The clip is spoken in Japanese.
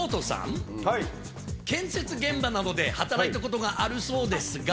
建設現場などで働いたことがあるそうですが。